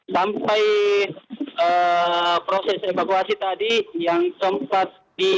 sampai proses evakuasi tadi yang sempat di